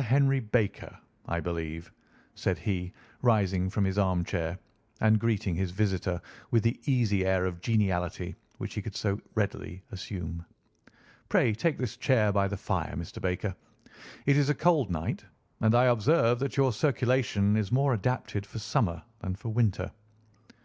Henry Baker, I believe," said he, rising from his armchair and greeting his visitor with the easy air of geniality which he could so readily assume. "Pray take this chair by the fire, Mr. Baker. It is a cold night, and I observe that your circulation is more adapted for summer than for winter.